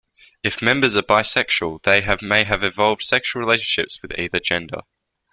If members are bisexual, they may have evolved sexual relationships with either gender.